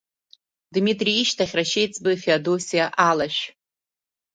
Дмитри ишьҭахь рашьеиҵбы Феодосиа Алашә.